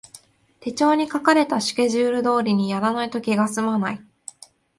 手帳に書かれたスケジュール通りにやらないと気がすまない